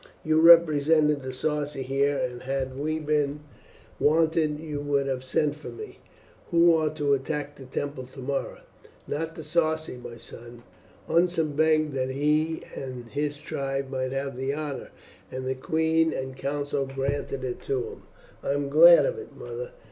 You represented the Sarci here, and had we been wanted you would have sent for me. Who are to attack the temple tomorrow?" "Not the Sarci, my son. Unser begged that he and his tribe might have the honour, and the queen and council granted it to him." "I am glad of it, mother.